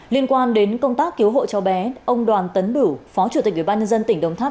liên quan đến công tác cứu hộ cho bé ông đoàn tấn bửu phó chủ tịch ủy ban nhân dân tỉnh đồng tháp